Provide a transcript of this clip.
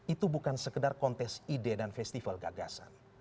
itu bukan sekedar kontes ide dan festival gagasan